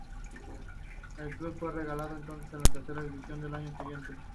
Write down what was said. El club fue relegado entonces a la Tercera División el año siguiente.